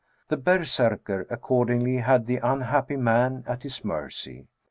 The berserkr accordingly had the unhappy man at his mercy.